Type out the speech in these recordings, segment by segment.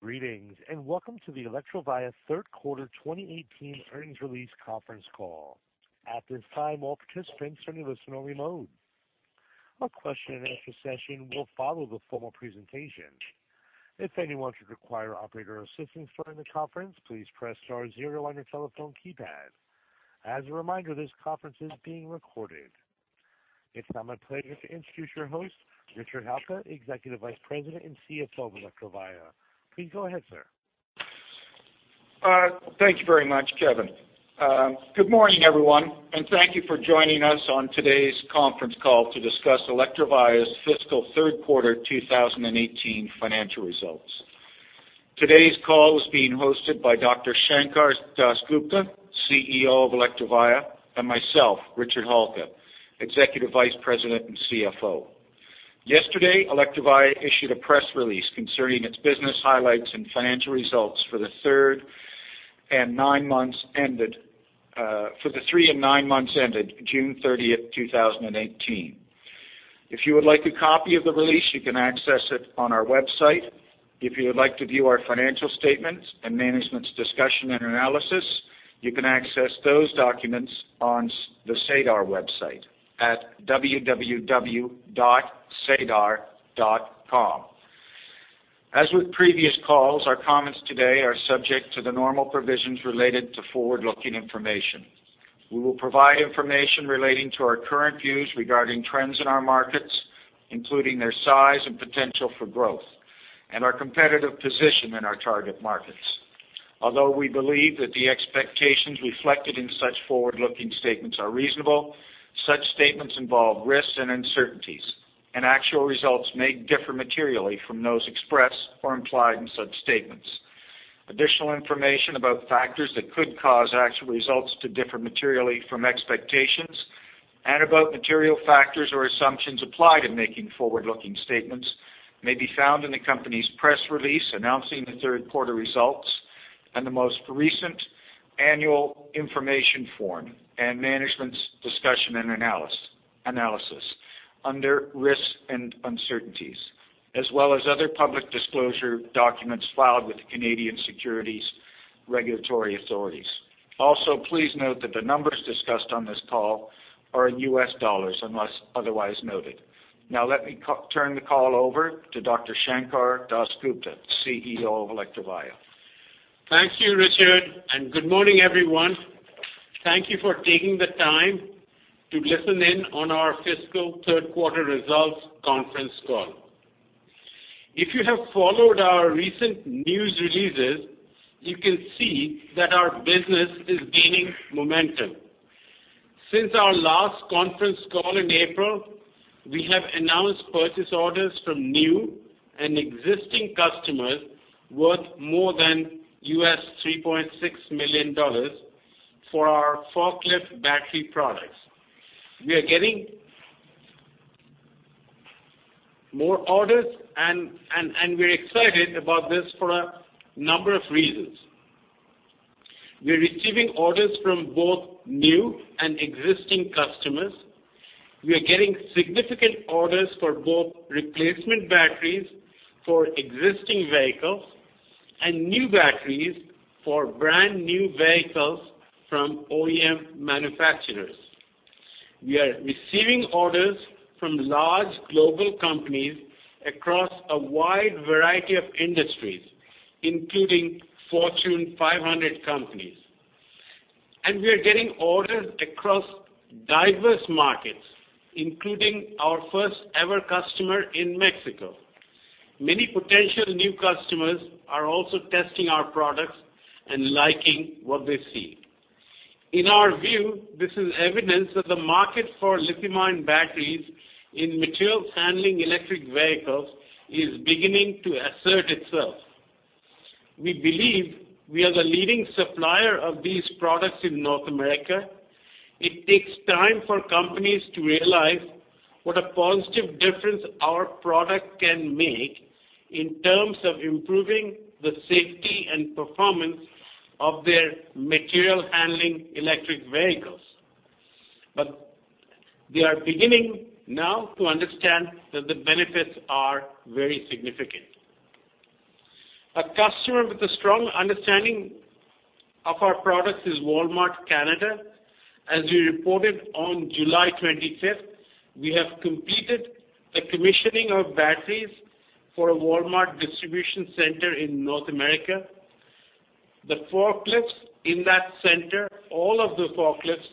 Greetings, welcome to the Electrovaya third quarter 2018 earnings release conference call. At this time, all participants are in listen-only mode. A question and answer session will follow the formal presentation. If anyone should require operator assistance during the conference, please press star zero on your telephone keypad. As a reminder, this conference is being recorded. It's now my pleasure to introduce your host, Richard Halka, Executive Vice President and CFO of Electrovaya. Please go ahead, sir. Thank you very much, Kevin. Good morning, everyone, thank you for joining us on today's conference call to discuss Electrovaya's fiscal third quarter 2018 financial results. Today's call is being hosted by Dr. Sankar Das Gupta, CEO of Electrovaya, and myself, Richard Halka, Executive Vice President and CFO. Yesterday, Electrovaya issued a press release concerning its business highlights and financial results for the three and nine months ended June 30th, 2018. If you would like a copy of the release, you can access it on our website. If you would like to view our financial statements and management's discussion and analysis, you can access those documents on the SEDAR website at www.sedar.com. As with previous calls, our comments today are subject to the normal provisions related to forward-looking information. We will provide information relating to our current views regarding trends in our markets, including their size and potential for growth and our competitive position in our target markets. Although we believe that the expectations reflected in such forward-looking statements are reasonable, such statements involve risks and uncertainties, and actual results may differ materially from those expressed or implied in such statements. Additional information about factors that could cause actual results to differ materially from expectations and about material factors or assumptions applied in making forward-looking statements may be found in the company's press release announcing the third quarter results and the most recent annual information form and management's discussion and analysis under risks and uncertainties. As well as other public disclosure documents filed with the Canadian securities regulatory authorities. Please note that the numbers discussed on this call are in U.S. dollars unless otherwise noted. Now let me turn the call over to Dr. Sankar Das Gupta, CEO of Electrovaya. Thank you, Richard, and good morning, everyone. Thank you for taking the time to listen in on our fiscal third-quarter results conference call. If you have followed our recent news releases, you can see that our business is gaining momentum. Since our last conference call in April, we have announced purchase orders from new and existing customers worth more than $3.6 million for our forklift battery products. We are getting more orders. We are excited about this for a number of reasons. We are receiving orders from both new and existing customers. We are getting significant orders for both replacement batteries for existing vehicles and new batteries for brand-new vehicles from OEM manufacturers. We are receiving orders from large global companies across a wide variety of industries, including Fortune 500 companies. We are getting orders across diverse markets, including our first-ever customer in Mexico. Many potential new customers are also testing our products and liking what they see. In our view, this is evidence that the market for lithium-ion batteries in materials handling electric vehicles is beginning to assert itself. We believe we are the leading supplier of these products in North America. It takes time for companies to realize what a positive difference our product can make in terms of improving the safety and performance of their material handling electric vehicles. They are beginning now to understand that the benefits are very significant. A customer with a strong understanding of our products is Walmart Canada. As we reported on July 25th, we have completed the commissioning of batteries for a Walmart distribution center in North America. The forklifts in that center, all of the forklifts,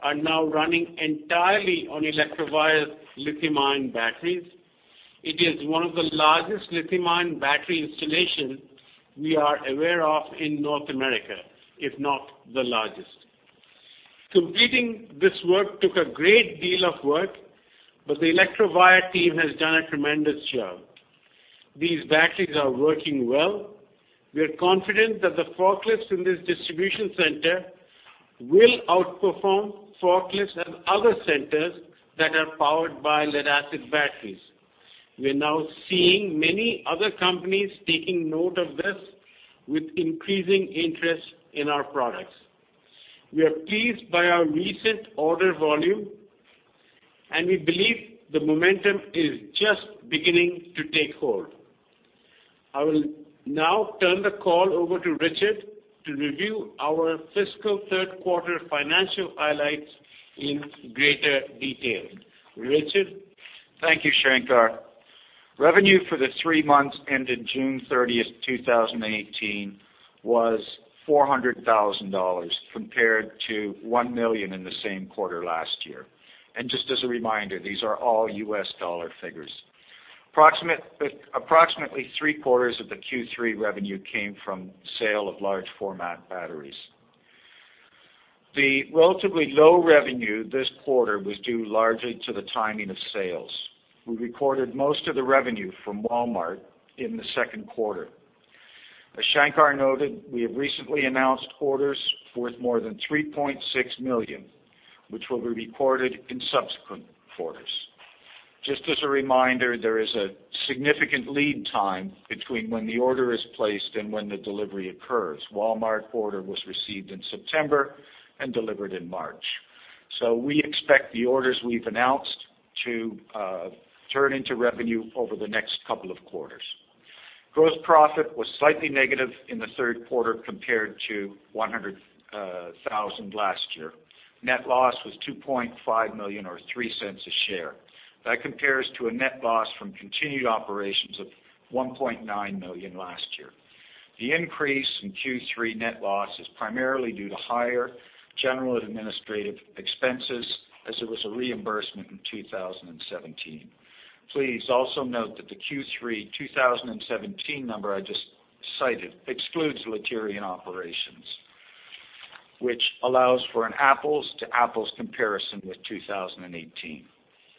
are now running entirely on Electrovaya's lithium-ion batteries. It is one of the largest lithium-ion battery installations we are aware of in North America, if not the largest. Completing this work took a great deal of work. The Electrovaya team has done a tremendous job. These batteries are working well. We are confident that the forklifts in this distribution center will outperform forklifts at other centers that are powered by lead-acid batteries. We are now seeing many other companies taking note of this with increasing interest in our products. We are pleased by our recent order volume. We believe the momentum is just beginning to take hold. I will now turn the call over to Richard to review our fiscal third quarter financial highlights in greater detail. Richard? Thank you, Sankar. Revenue for the three months ended June 30th, 2018, was $400,000 compared to $1 million in the same quarter last year. Just as a reminder, these are all U.S. dollar figures. Approximately three-quarters of the Q3 revenue came from sale of large format batteries. The relatively low revenue this quarter was due largely to the timing of sales. We recorded most of the revenue from Walmart in the second quarter. As Sankar noted, we have recently announced orders worth more than $3.6 million, which will be recorded in subsequent quarters. Just as a reminder, there is a significant lead time between when the order is placed and when the delivery occurs. Walmart order was received in September and delivered in March. We expect the orders we've announced to turn into revenue over the next couple of quarters. Gross profit was slightly negative in the third quarter compared to 100,000 last year. Net loss was 2.5 million or 0.03 a share. That compares to a net loss from continued operations of 1.9 million last year. The increase in Q3 net loss is primarily due to higher general administrative expenses as there was a reimbursement in 2017. Please also note that the Q3 2017 number I just cited excludes Litarion operations, which allows for an apples to apples comparison with 2018.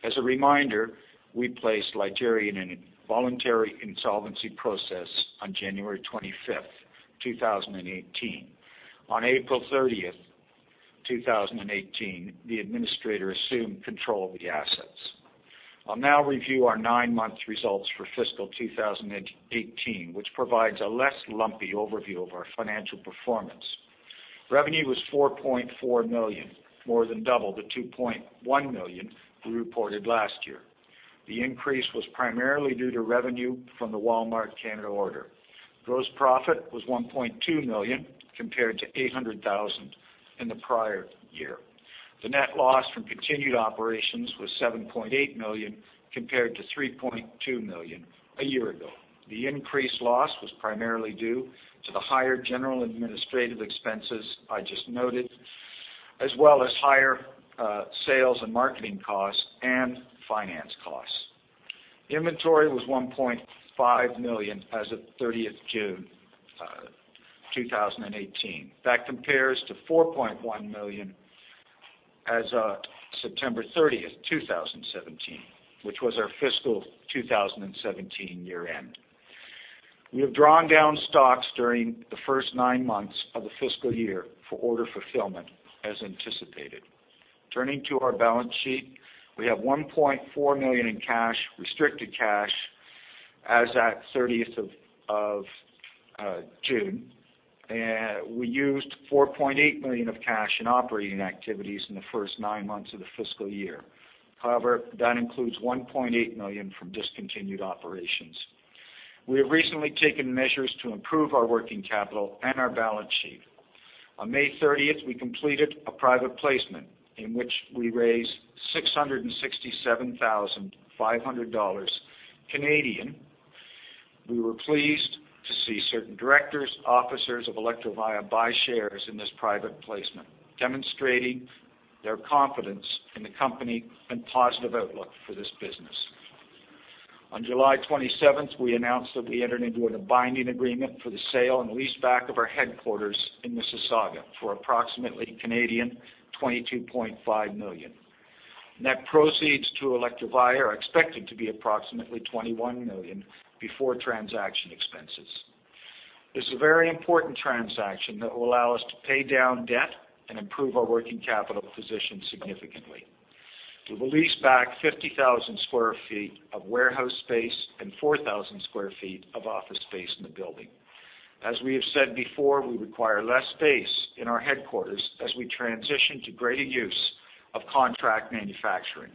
As a reminder, we placed Litarion in a voluntary insolvency process on January 25th, 2018. On April 30th, 2018, the administrator assumed control of the assets. I will now review our nine-month results for fiscal 2018, which provides a less lumpy overview of our financial performance. Revenue was 4.4 million, more than double the 2.1 million we reported last year. The increase was primarily due to revenue from the Walmart Canada order. Gross profit was 1.2 million compared to 800,000 in the prior year. The net loss from continued operations was 7.8 million compared to 3.2 million a year ago. The increased loss was primarily due to the higher general administrative expenses I just noted, as well as higher sales and marketing costs and finance costs. Inventory was 1.5 million as of 30th June 2018. That compares to 4.1 million as of September 30th, 2017, which was our fiscal 2017 year end. We have drawn down stocks during the first nine months of the fiscal year for order fulfillment, as anticipated. Turning to our balance sheet, we have 1.4 million in cash, restricted cash, as at 30th of June. We used 4.8 million of cash in operating activities in the first nine months of the fiscal year. That includes 1.8 million from discontinued operations. We have recently taken measures to improve our working capital and our balance sheet. On May 30th, we completed a private placement in which we raised 667,500 Canadian dollars. We were pleased to see certain directors, officers of Electrovaya buy shares in this private placement, demonstrating their confidence in the company and positive outlook for this business. On July 27th, we announced that we entered into a binding agreement for the sale and leaseback of our headquarters in Mississauga for approximately 22.5 million Canadian dollars. Net proceeds to Electrovaya are expected to be approximately 21 million before transaction expenses. This is a very important transaction that will allow us to pay down debt and improve our working capital position significantly. We will lease back 50,000 sq ft of warehouse space and 4,000 sq ft of office space in the building. As we have said before, we require less space in our headquarters as we transition to greater use of contract manufacturing.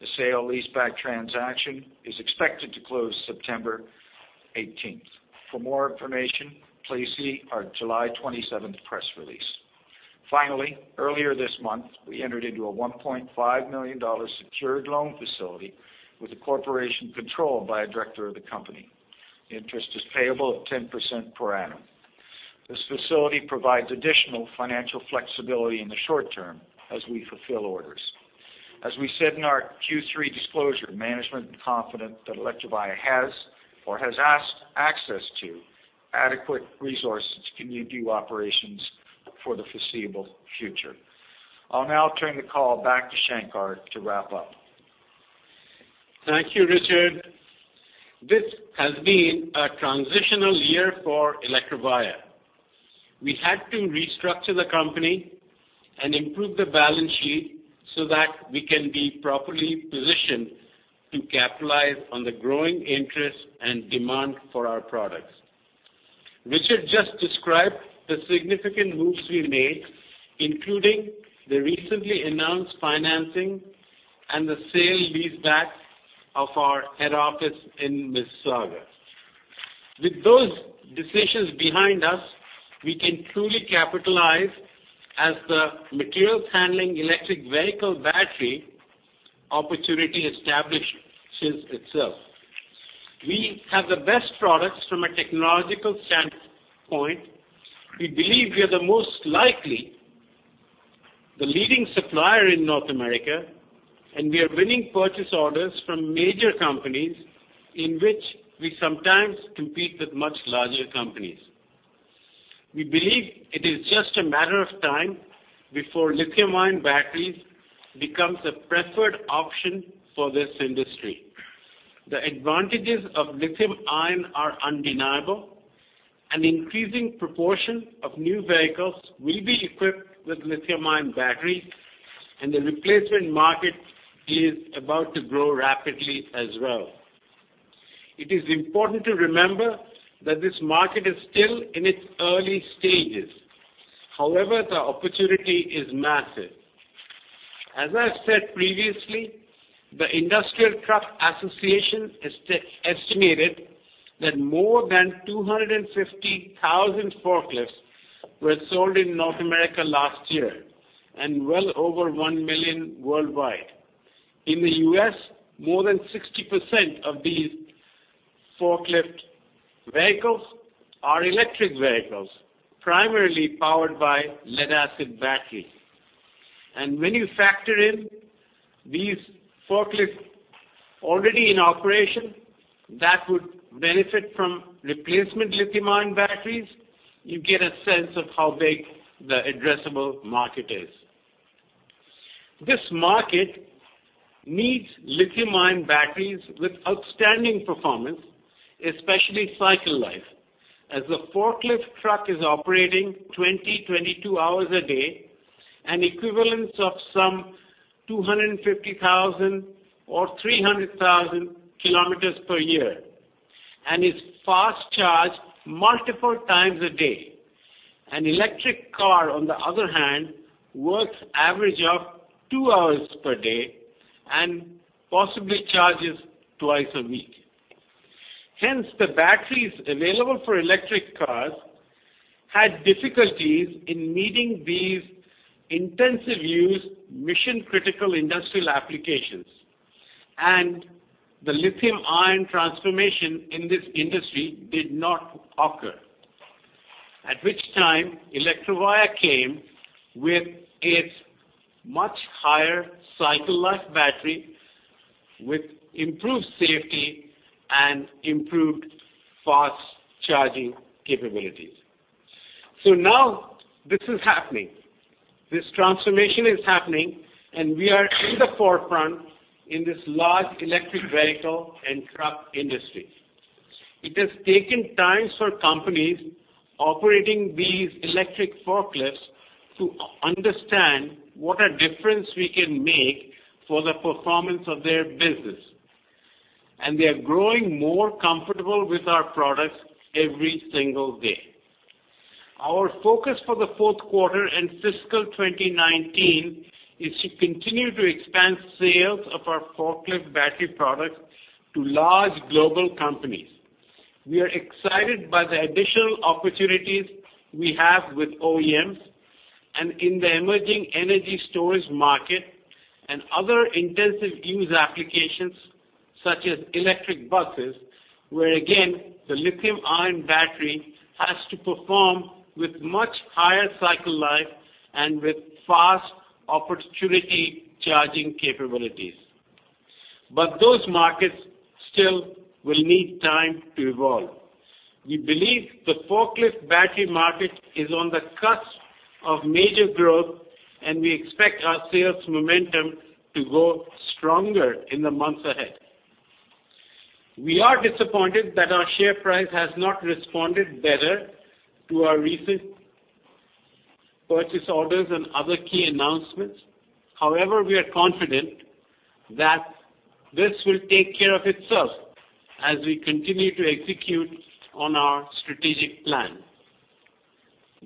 The sale leaseback transaction is expected to close September 18th. For more information, please see our July 27th press release. Earlier this month, we entered into a 1.5 million dollars secured loan facility with a corporation controlled by a director of the company. Interest is payable at 10% per annum. This facility provides additional financial flexibility in the short term as we fulfill orders. As we said in our Q3 disclosure, management is confident that Electrovaya has or has access to adequate resources to continue operations for the foreseeable future. I will now turn the call back to Sankar to wrap up. Thank you, Richard. This has been a transitional year for Electrovaya. We had to restructure the company and improve the balance sheet so that we can be properly positioned to capitalize on the growing interest and demand for our products. Richard just described the significant moves we made, including the recently announced financing and the sale leaseback of our head office in Mississauga. With those decisions behind us, we can truly capitalize as the materials handling electric vehicle battery opportunity establishes itself. We have the best products from a technological standpoint. We believe we are the most likely the leading supplier in North America, and we are winning purchase orders from major companies in which we sometimes compete with much larger companies. We believe it is just a matter of time before lithium-ion batteries becomes a preferred option for this industry. The advantages of lithium-ion are undeniable. An increasing proportion of new vehicles will be equipped with lithium-ion batteries, and the replacement market is about to grow rapidly as well. It is important to remember that this market is still in its early stages. The opportunity is massive. As I said previously, the Industrial Truck Association estimated that more than 250,000 forklifts were sold in North America last year and well over 1 million worldwide. In the U.S., more than 60% of these forklift vehicles are electric vehicles, primarily powered by lead-acid batteries. When you factor in these forklifts already in operation that would benefit from replacement lithium-ion batteries, you get a sense of how big the addressable market is. This market needs lithium-ion batteries with outstanding performance, especially cycle life, as the forklift truck is operating 20, 22 hours a day, an equivalence of some 250,000 or 300,000 km per year, and is fast charging multiple times a day. An electric car, on the other hand, works average of two hours per day and possibly charges twice a week. The batteries available for electric cars had difficulties in meeting these intensive use mission-critical industrial applications, and the lithium-ion transformation in this industry did not occur. At which time, Electrovaya came with its much higher cycle life battery with improved safety and improved fast charging capabilities. Now this is happening. This transformation is happening, and we are in the forefront in this large electric vehicle and truck industry. It has taken time for companies operating these electric forklifts to understand what a difference we can make for the performance of their business, and they are growing more comfortable with our products every single day. Our focus for the fourth quarter and fiscal 2019 is to continue to expand sales of our forklift battery products to large global companies. We are excited by the additional opportunities we have with OEMs and in the emerging energy storage market and other intensive use applications, such as electric buses, where again, the lithium-ion battery has to perform with much higher cycle life and with fast charging capabilities. Those markets still will need time to evolve. We believe the forklift battery market is on the cusp of major growth, and we expect our sales momentum to grow stronger in the months ahead. We are disappointed that our share price has not responded better to our recent purchase orders and other key announcements. We are confident that this will take care of itself as we continue to execute on our strategic plan.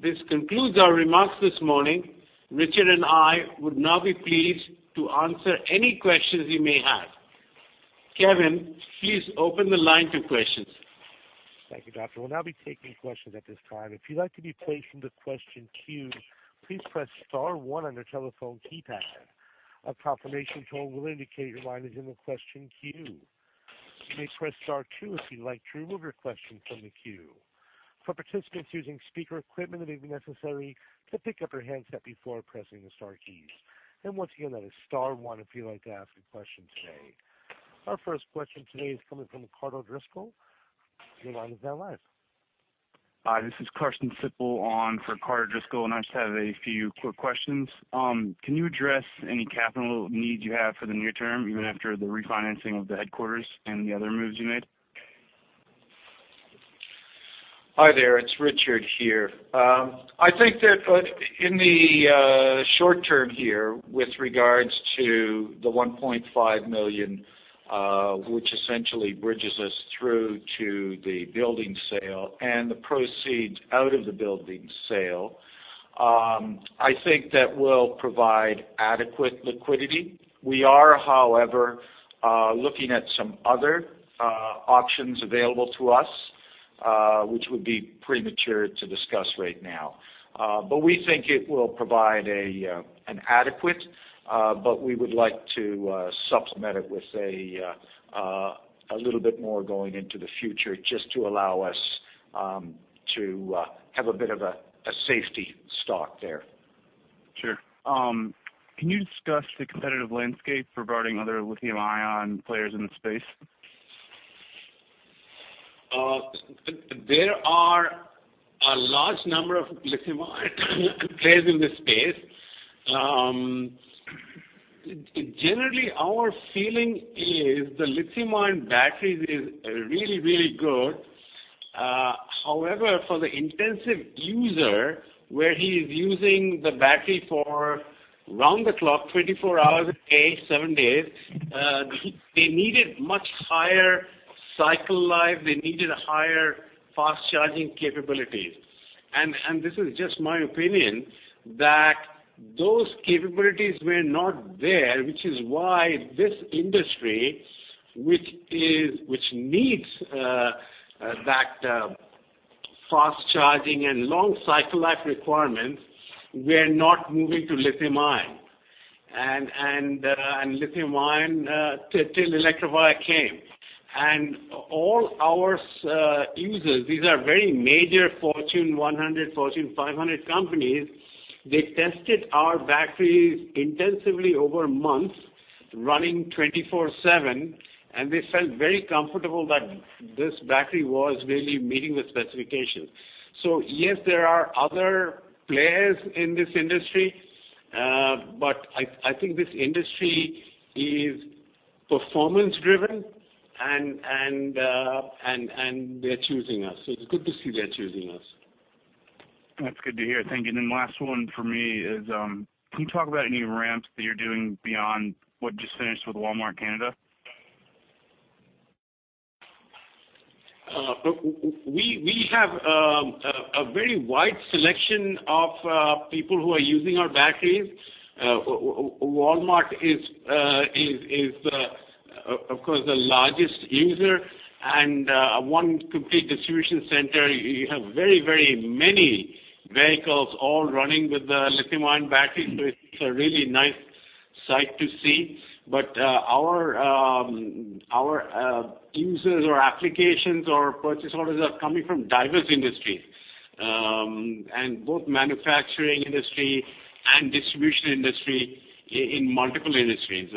This concludes our remarks this morning. Richard and I would now be pleased to answer any questions you may have. Kevin, please open the line to questions. Thank you, Doctor. We'll now be taking questions at this time. If you'd like to be placed into question queue, please press star one on your telephone keypad. A confirmation tone will indicate your line is in the question queue. You may press star two if you'd like to remove your question from the queue. For participants using speaker equipment, it may be necessary to pick up your handset before pressing the star keys. Once again, that is star one if you'd like to ask a question today. Our first question today is coming from Carter Driscoll. Your line is now live. Hi, this is Carson Sippel on for Carter Driscoll, and I just have a few quick questions. Can you address any capital needs you have for the near term, even after the refinancing of the headquarters and the other moves you made? Hi there, it's Richard here. I think that in the short term here, with regards to the 1.5 million, which essentially bridges us through to the building sale and the proceeds out of the building sale I think that we'll provide adequate liquidity. We are, however, looking at some other options available to us, which would be premature to discuss right now. We think it will provide an adequate, but we would like to supplement it with a little bit more going into the future just to allow us to have a bit of a safety stock there. Sure. Can you discuss the competitive landscape regarding other lithium-ion players in the space? There are a large number of lithium-ion players in this space. Generally, our feeling is the lithium-ion batteries is really, really good. However, for the intensive user, where he is using the battery for round the clock, 24 hours a day, seven days, they needed much higher cycle life. They needed higher fast charging capabilities. This is just my opinion, that those capabilities were not there, which is why this industry, which needs that fast charging and long cycle life requirements, were not moving to lithium-ion. Lithium-ion, till Electrovaya came. All our users, these are very major Fortune 100, Fortune 500 companies. They tested our batteries intensively over months, running 24/7, and they felt very comfortable that this battery was really meeting the specifications. Yes, there are other players in this industry. I think this industry is performance-driven, and they're choosing us. It's good to see they're choosing us. That's good to hear. Thank you. Last one from me is, can you talk about any ramps that you're doing beyond what just finished with Walmart Canada? We have a very wide selection of people who are using our batteries. Walmart is, of course, the largest user and one complete distribution center. You have very, very many vehicles all running with the lithium-ion battery. It's a really nice sight to see. Our users or applications or purchase orders are coming from diverse industries. Both manufacturing industry and distribution industry in multiple industries,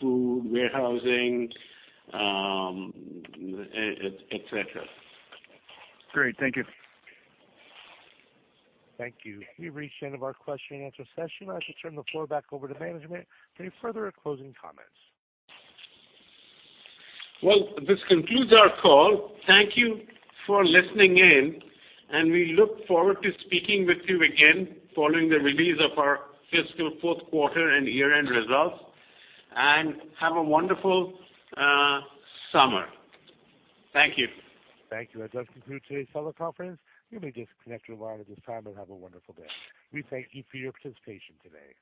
food, warehousing, et cetera. Great. Thank you. Thank you. We've reached the end of our question-and-answer session. I'd like to turn the floor back over to management for any further or closing comments. This concludes our call. Thank you for listening in, and we look forward to speaking with you again following the release of our fiscal fourth quarter and year-end results. Have a wonderful summer. Thank you. Thank you. That does conclude today's teleconference. You may disconnect your line at this time, and have a wonderful day. We thank you for your participation today.